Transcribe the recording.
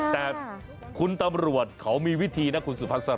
แต่คุณตำรวจเขามีวิธีนะคุณสุภาษา